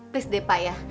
please deh pak ya